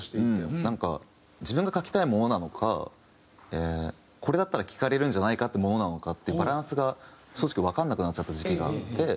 自分が書きたいものなのかこれだったら聴かれるんじゃないかってものなのかってバランスが正直わかんなくなっちゃった時期があって。